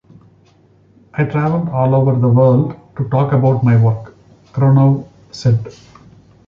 "I traveled all over the world to talk about my work," Krenov said.